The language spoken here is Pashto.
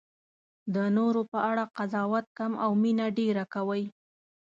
د نورو په اړه قضاوت کم او مینه ډېره کوئ.